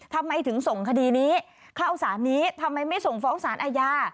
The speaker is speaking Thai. ทำไมถึงส่งคดีนี้เข้าสารนี้ทำไมไม่ส่งฟ้องสารอาญา